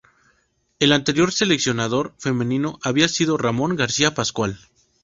El anterior seleccionador femenino había sido Ramón García Pascual.